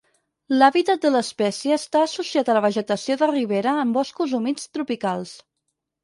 L'hàbitat de l'espècie està associat a la vegetació de ribera en boscs humits tropicals.